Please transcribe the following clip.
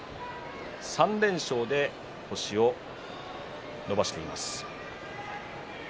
３連勝で星を伸ばしています。